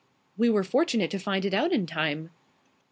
"We were fortunate to find it out in time."